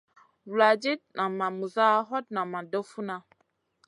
Vuladid nan ma muza, hot nan ma doh funa.